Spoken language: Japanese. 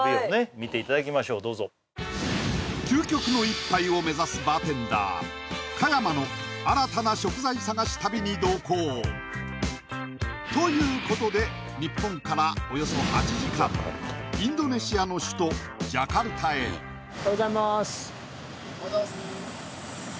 見ていただきましょうどうぞ究極の１杯を目指すバーテンダー鹿山の新たな食材探し旅に同行ということで日本からおよそ８時間インドネシアの首都ジャカルタへ赤道直下の国